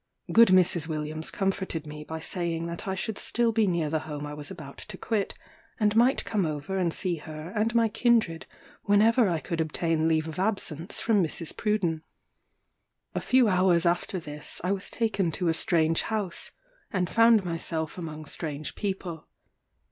Good Mrs. Williams comforted me by saying that I should still be near the home I was about to quit, and might come over and see her and my kindred whenever I could obtain leave of absence from Mrs. Pruden. A few hours after this I was taken to a strange house, and found myself among strange people.